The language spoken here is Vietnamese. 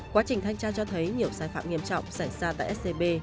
quá trình thanh tra cho thấy nhiều sai phạm nghiêm trọng xảy ra tại scb